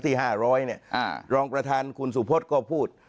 ที่๕๐๐รองประธานคุณสุพธก็พูด